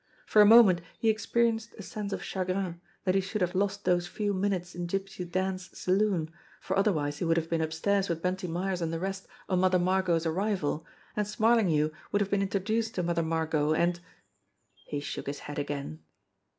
For a moment he experienced a sense of chagrin that he should have lost those few minutes in Gypsy Dan's saloon, for otherwise he would have been upstairs with Bunty Myers and the rest on Mother Margot's arrival, and Smarlinghue would have been introduced to Mother Margot, and He shook his head again.